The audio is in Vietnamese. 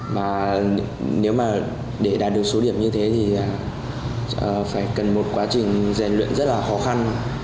mà nếu mà để đạt được số điểm như thế thì phải cần một quá trình rèn luyện rất là khó khăn